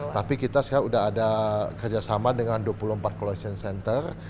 tapi kita sekarang sudah ada kerjasama dengan dua puluh empat collation center